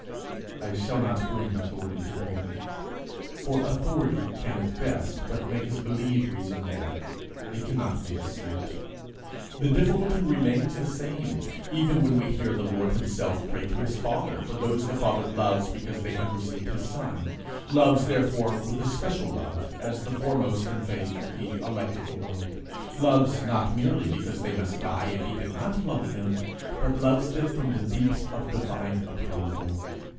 I shall not bring authority to bear, for authority can at best but make us believe reason there, it cannot make us see it. The difficulty remains the same even when we hear the Lord himself pray to his Father for those the Father loves because they have received his Son loves therefore with a special love, as the foremost in faith, the elect of the world loves not merely because they must die if he did not love them, but loves from the deeps of divine approval.